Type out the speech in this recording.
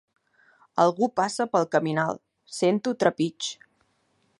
Algú passa pel caminal: sento trepig.